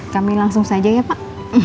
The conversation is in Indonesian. kami langsung saja ya pak